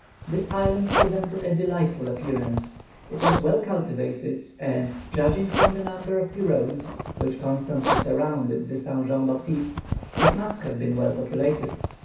This island presented a delightful appearance. It was well cultivated, and, judging from the number of pirogues, which constantly surrounded the Saint Jean Baptiste, it must have been well populated.